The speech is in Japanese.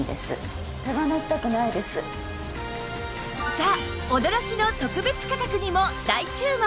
さあ驚きの特別価格にも大注目です！